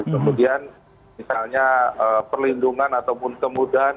kemudian misalnya perlindungan ataupun kemudahan